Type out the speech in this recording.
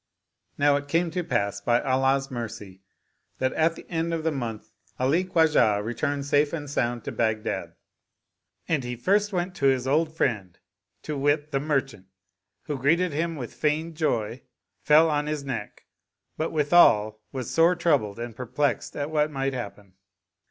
Now it came to pass by Allah's mercy that at the end of the month Ali Khwajah returned safe and sound to Baghdad ; and he first went to his old friend, to wit, the merchant who, greet ing hii^ with feigned joy, fell on his neck, but withal was sore troubled and perplexed at what might happen.